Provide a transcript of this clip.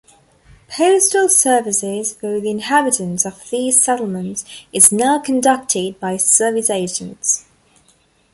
Postal service for the inhabitants of these settlements is now conducted by service agents.